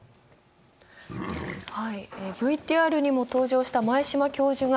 ＶＴＲにも登場した前嶋教授が